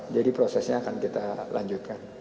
jadi prosesnya akan kita lanjutkan